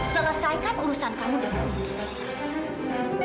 selesaikan urusan kamu dan aku